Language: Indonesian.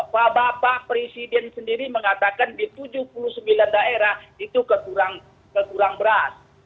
pak bapak presiden sendiri mengatakan di tujuh puluh sembilan daerah itu kekurang beras